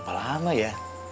berapa lama ya